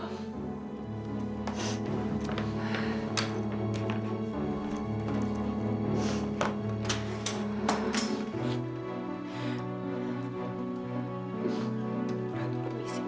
ratu bibi simpen